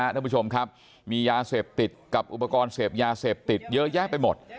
ท่านผู้ชมครับมียาเสพติดกับอุปกรณ์เสพยาเสพติดเยอะแยะไปหมด